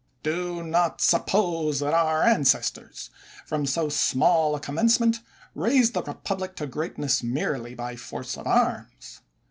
Do not suppose, that our ancestors, from so small a commencement, raised the republic to greatness merely by force of arms.